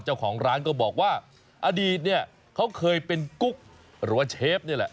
เจ้าของร้านก็บอกว่าอดีตเนี่ยเขาเคยเป็นกุ๊กหรือว่าเชฟนี่แหละ